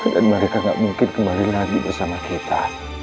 dan mereka gak mungkin kembali lagi bersama kita